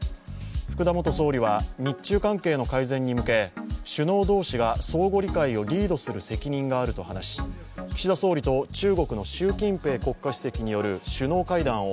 福田元総理は日中関係の改善に向け首脳同士が相互理解をリードする責任があると話し岸田総理と中国の習近平国家主席による首脳会談を、